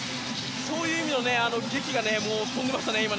そういう意味のげきが飛んでいましたね。